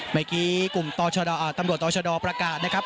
เมื่อกี้กลุ่มตอชดออ่าตำรวจตอชดอประกาศนะครับ